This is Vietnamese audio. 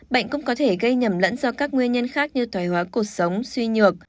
bệnh cũng có thể gây nhầm lẫn do các nguyên nhân khác như thoái hóa cuộc sống suy nhược